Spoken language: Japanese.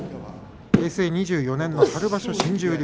平成２４年の春場所新十両。